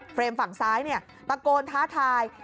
เฟรมฝั่งซ้ายประโกนท้าทาย